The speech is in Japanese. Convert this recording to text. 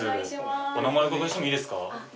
お名前お伺いしてもいいですか？